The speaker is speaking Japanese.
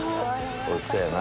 おいしそうやな。